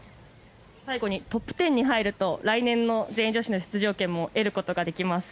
最後にトップ１０に入ると来年の全英女子の出場権も得ることができます。